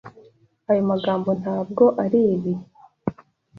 Ayo magambo ntabwo aribi.